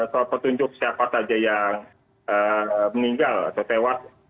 soal petunjuk siapa saja yang meninggal atau tewas